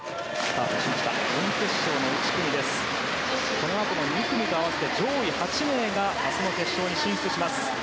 このあとの２組と合わせて上位８名が明日の決勝に進出します。